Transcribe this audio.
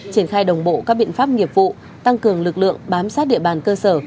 triển khai đồng bộ các biện pháp nghiệp vụ tăng cường lực lượng bám sát địa bàn cơ sở